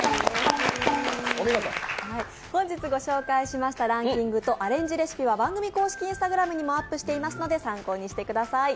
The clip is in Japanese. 本日御紹介しましたランキングとアレンジレシピは番組公式Ｉｎｓｔａｇｒａｍにアップしていますので参考にしてください。